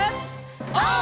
オー！